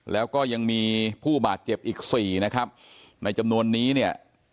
แล้วก็ยังมีผู้บาดเจ็บอีกสี่นะครับในจำนวนนี้เนี่ย